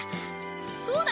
そうだ！